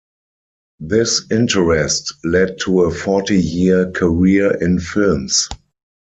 This interest led to a forty-year career in films.